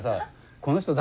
「この人誰？」